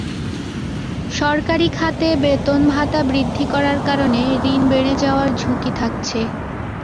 সরকারি খাতে বেতন ভাতা বৃদ্ধি করার কারণে ঋণ বেড়ে যাওয়ার ঝুঁকি থাকছে।